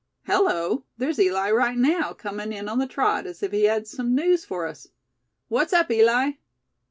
Hello! there's Eli right now, coming in on the trot, as if he had some news for us. What's up, Eli?"